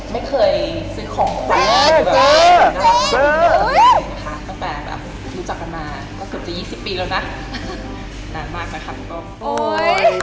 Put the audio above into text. ไม่เคยซื้อของ